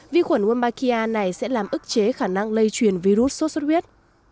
vi khuẩn wombakia này sẽ làm ức chế khả năng lây truyền virus sốt xuất huyết